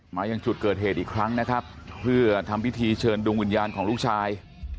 มายังจุดเกิดเหตุอีกครั้งนะครับเพื่อทำพิธีเชิญดวงวิญญาณของลูกชาย